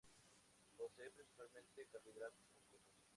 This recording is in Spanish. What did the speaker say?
Posee principalmente carbohidratos complejos.